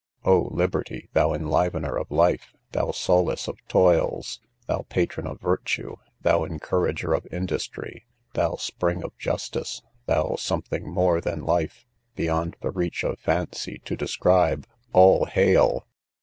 O, Liberty! thou enlivener of life, thou solace of toils, thou patron of virtue, thou encourager of industry, thou spring of justice, thou something more than life, beyond the reach of fancy to describe, all hail!